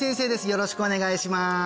よろしくお願いします